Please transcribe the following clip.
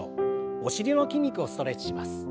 お尻の筋肉をストレッチします。